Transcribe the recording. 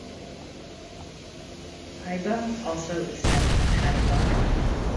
Pybba also is said to have had a daughter.